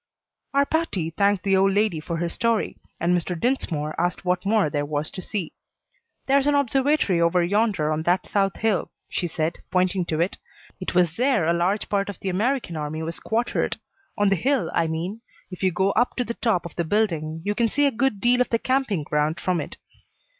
Our party thanked the old lady for her story, and Mr. Dinsmore asked what more there was to see. "There's an observatory over yonder on that south hill," she said, pointing to it. "It was there a large part of the American army was quartered on the hill, I mean. If you go up to the top of the building you can see a good deal of the camping ground from it."